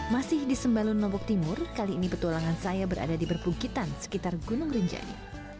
masih di sembalun lombok timur kali ini petualangan saya berada di perbukitan sekitar gunung rinjani